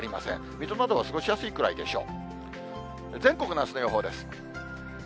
水戸などは過ごしやすいくらいでしょう。